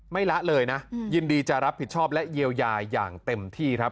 ละเลยนะยินดีจะรับผิดชอบและเยียวยาอย่างเต็มที่ครับ